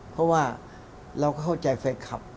เพราะว่าเราก็เข้าใจแฟนคลับ